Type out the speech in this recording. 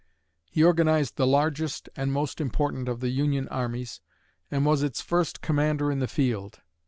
He organized the largest and most important of the Union armies, and was its first commander in the field.